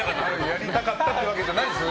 やりたかったというわけじゃないんですよ。